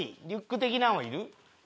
リュック的なんはいる？